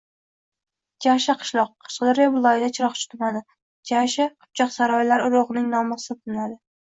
Jasha – qishloq, Qashqadaryo viloyati Chiroqchi tumani. Jasha – qipchoqsaroylar urug‘ining nomi hisoblanadi.